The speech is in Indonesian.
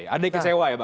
adek kecewa ya bang andre